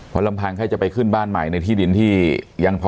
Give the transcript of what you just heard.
พอลำพังแค่จะไปขึ้นบ้านใหม่ในที่ดินที่ยังพอ